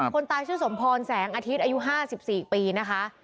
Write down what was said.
คนตายชื่อสมพรแสงอาทิตย์อายุ๕๔ปีนะคะ